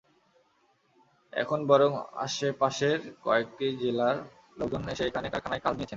এখন বরং আশপাশের কয়েকটি জেলার লোকজন এখানে এসে কারখানায় কাজ নিয়েছেন।